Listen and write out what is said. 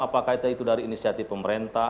apakah itu dari inisiatif pemerintah